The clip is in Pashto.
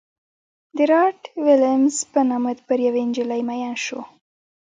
د رات ویلیمز په نامه پر یوې نجلۍ مین شو.